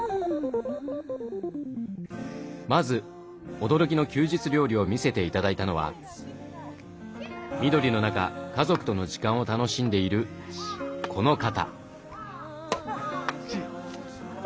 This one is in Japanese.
まず驚きの休日料理を見せて頂いたのは緑の中家族との時間を楽しんでいるこの方。